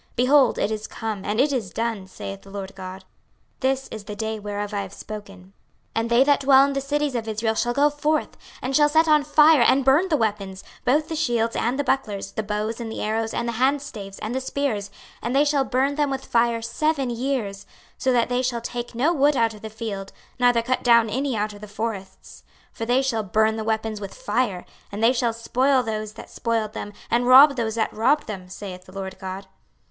26:039:008 Behold, it is come, and it is done, saith the Lord GOD; this is the day whereof I have spoken. 26:039:009 And they that dwell in the cities of Israel shall go forth, and shall set on fire and burn the weapons, both the shields and the bucklers, the bows and the arrows, and the handstaves, and the spears, and they shall burn them with fire seven years: 26:039:010 So that they shall take no wood out of the field, neither cut down any out of the forests; for they shall burn the weapons with fire: and they shall spoil those that spoiled them, and rob those that robbed them, saith the Lord GOD.